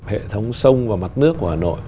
hệ thống sông và mặt nước của hà nội